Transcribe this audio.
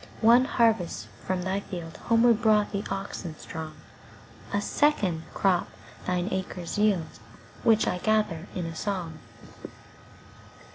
One harvest from thy fieldHomeward brought the oxen strong;A second crop thine acres yield, Which I gather in a song.